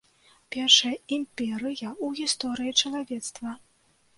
Першая імперыя ў гісторыі чалавецтва.